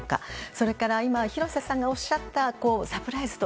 それから廣瀬さんがおっしゃったサプライズと